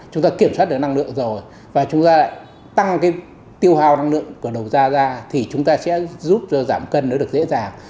chúng ta kiểm soát được năng lượng rồi và chúng ta lại tăng cái tiêu hào năng lượng của đầu ra ra thì chúng ta sẽ giúp cho giảm cân nó được dễ dàng